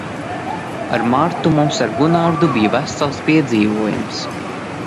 Ar Martu mums ar Gunardu bija vesels piedzīvojums.